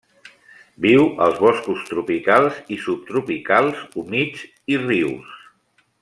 Viu als boscos tropicals i subtropicals humits, i rius.